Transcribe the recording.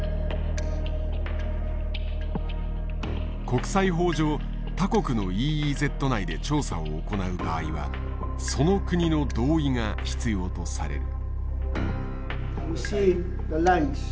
国際法上他国のＥＥＺ内で調査を行う場合はその国の同意が必要とされる。